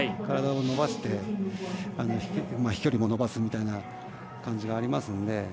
体を伸ばして飛距離も伸ばすみたいな感じがありますので。